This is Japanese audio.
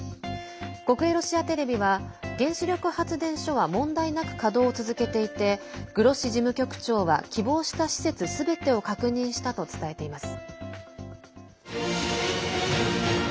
国営ロシアテレビは原子力発電所は問題なく稼働を続けていてグロッシ事務局長は希望した施設すべてを確認したと伝えています。